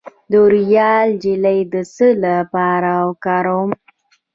د رویال جیلی د څه لپاره وکاروم؟